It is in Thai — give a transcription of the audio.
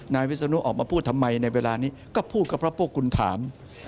วิศนุออกมาพูดทำไมในเวลานี้ก็พูดก็เพราะพวกคุณถาม